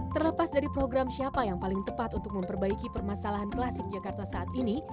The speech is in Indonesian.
terlepas dari program siapa yang paling tepat untuk memperbaiki permasalahan klasik jakarta saat ini